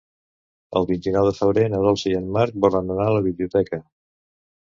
El vint-i-nou de febrer na Dolça i en Marc volen anar a la biblioteca.